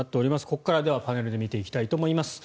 ここからはパネルで見ていきたいと思います。